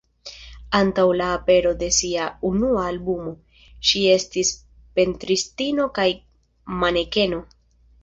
Antaŭ la apero de ŝia unua albumo, ŝi estis pentristino kaj manekeno.